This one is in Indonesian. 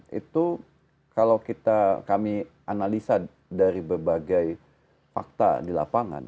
saya mengatakan batasnya angka kekerasan seksual pada anak khususnya kalau kami analisa dari berbagai fakta di lapangan